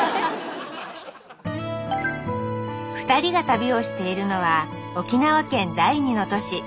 ２人が旅をしているのは沖縄県第二の都市